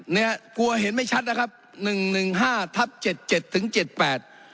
เนี่ยกลัวเห็นไม่ชัดนะครับหนึ่งหนึ่งห้าทับเจ็ดเจ็ดถึงเจ็ดแปด